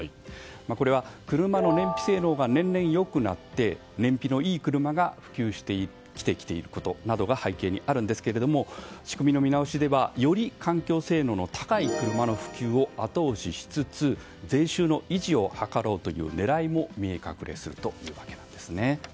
これは車の燃費性能が年々良くなって燃費のいい車が普及してきていることが背景にあるんですが仕組みの見直しではより環境性能の高い車の普及を後押ししつつ税収の維持を図ろうという狙いも見え隠れするというわけなんです。